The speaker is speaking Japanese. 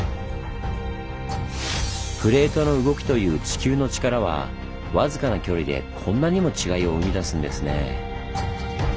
プレートの動きという地球のチカラは僅かな距離でこんなにも違いを生み出すんですね。